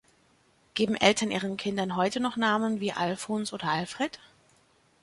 Geben Eltern ihren Kindern heute noch Namen wie Alfons oder Alfred?